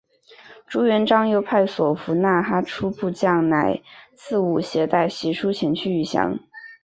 朱元璋又派所俘纳哈出部将乃剌吾携带玺书前去谕降。